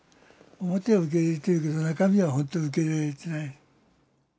表は受け入れているけど中身は本当は受け入れられてない。